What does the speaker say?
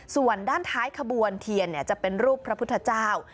ส่วนด้านท้ายขบวนเทียนจะเป็นรูปพระพุทธเจ้า